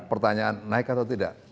pertanyaan naik atau tidak